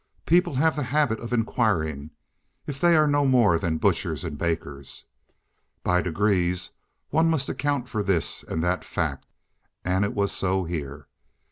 People have the habit of inquiring—if they are no more than butchers and bakers. By degrees one must account for this and that fact, and it was so here.